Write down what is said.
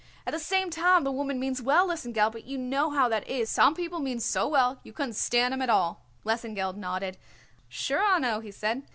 At the same time the woman means well, Lesengeld, but you know how that is: some people means so well you couldn't stand 'em at all." Lesengeld nodded. "Sure, I know," he said.